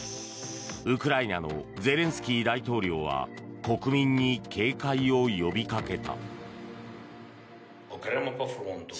ウクライナのゼレンスキー大統領は国民に警戒を呼びかけた。